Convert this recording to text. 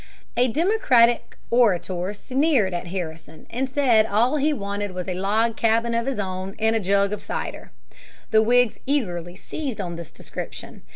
A Democratic orator sneered at Harrison, and said that all he wanted was a log cabin of his own and a jug of cider. The Whigs eagerly seized on this description.